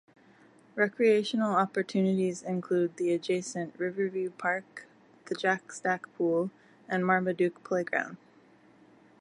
Recreational opportunities include the adjacent Riverview Park, the Jack Stack pool, and Marmaduke Playground.